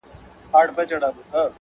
خپلي خبري خو نو نه پرې کوی_